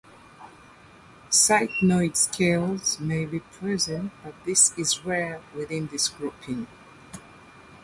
Ctenoid scales may be present but this is rare within this grouping.